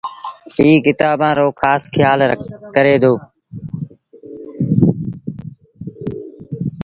ائيٚݩ ڪتآݩبآݩ رو کآس کيآل ڪري دو